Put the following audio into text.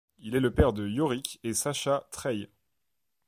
Il est le père de Yorick et Sacha Treille.